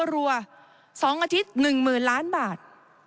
รัว๒อาทิตย์๑๐๐๐ล้านบาท